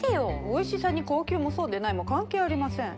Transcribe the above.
美味しさに高級もそうでないも関係ありません。